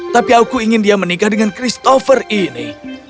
tapi aku ingin dia menikah dengan christopher ini